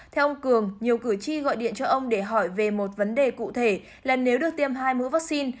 theo ông cường nhiều cử tri gọi điện cho ông để hỏi về một vấn đề cụ thể là nếu được tiêm hai mũi vaccine